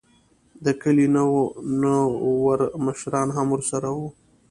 دکلي نوور مشران هم ورسره وو.